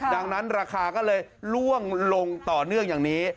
ดังนั้นราคาก็เลยล่วงลงต่อเนื่องอย่างนี้